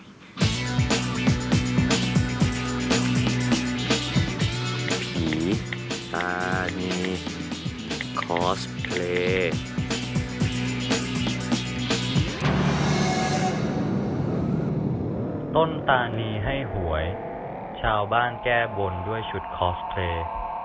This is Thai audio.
ผีตานีคอสเพลต้นตานีให้หวยชาวบ้านแก้บ่นด้วยชุดคอสเพล